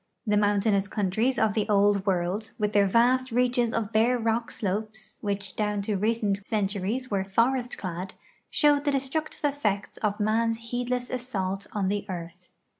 The mountainous countries of the Old World, with their vast reaches of bare rock slopes, which down to recent centuries were forest clad, show the destructive effects of man's heedless assault on the earth.